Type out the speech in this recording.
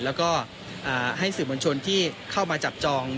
แล้วก็ให้สื่อมวลชนที่เข้ามาจับจอง